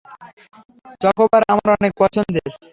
Chocobar আমার অনেক পছন্দের?